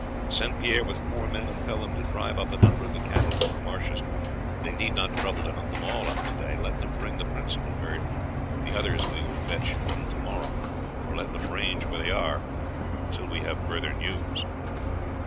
Send Pierre with four men, and tell them to drive up a number of the cattle from the marshes. They need not trouble to hunt them all up today. Let them bring the principal herd, the others we will fetch in to morrow, or let them range where they are until we have further news."